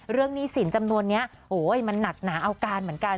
หนี้สินจำนวนนี้โอ้ยมันหนักหนาเอาการเหมือนกัน